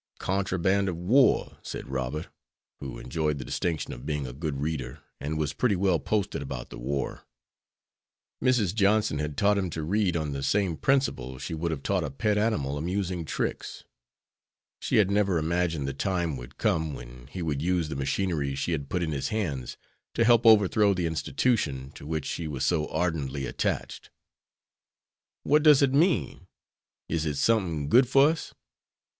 "Contraband of war," said Robert, who enjoyed the distinction of being a good reader, and was pretty well posted about the war. Mrs. Johnson had taught him to read on the same principle she would have taught a pet animal amusing tricks. She had never imagined the time would come when he would use the machinery she had put in his hands to help overthrow the institution to which she was so ardently attached. "What does it mean? Is it somethin' good for us?"